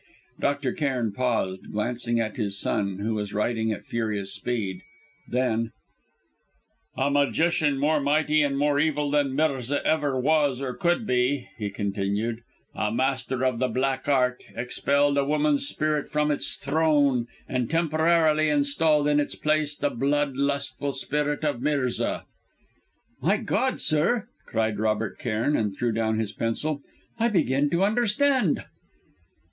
Dr. Cairn paused, glancing at his son, who was writing at furious speed. Then "A magician more mighty and more evil than Mirza ever was or could be," he continued, "a master of the Black Art, expelled a woman's spirit from its throne and temporarily installed in its place the blood lustful spirit of Mirza!" "My God, sir!" cried Robert Cairn, and threw down his pencil. "I begin to understand!"